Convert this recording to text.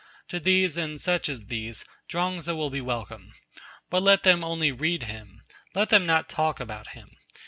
To these, and such as these, Chuang Tzu will be welcome. But let them only read him. Let them not talk about him.